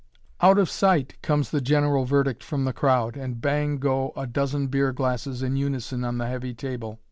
"Out of sight," comes the general verdict from the crowd, and bang go a dozen beer glasses in unison on the heavy table.